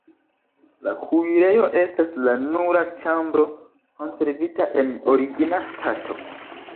La kuirejo estas la nura ĉambro konservita en origina stato.